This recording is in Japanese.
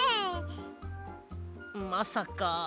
まさか。